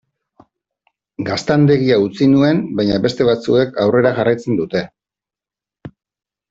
Gaztandegia utzi nuen, baina beste batzuek aurrera jarraitzen dute.